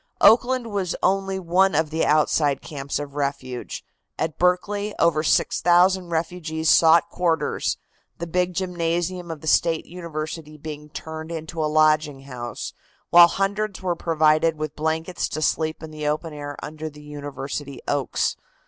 Oakland was only one of the outside camps of refuge. At Berkeley over 6,000 refugees sought quarters, the big gymnasium of the State University being turned into a lodging house, while hundreds were provided with blankets to sleep in the open air under the University oaks.